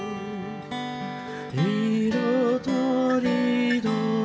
「色とりどりに」